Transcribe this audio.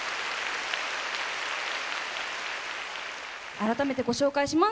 改めてご紹介します。